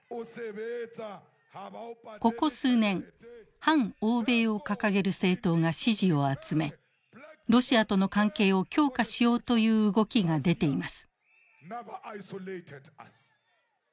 ここ数年反欧米を掲げる政党が支持を集めロシアとの関係を強化しようという動きが出ています。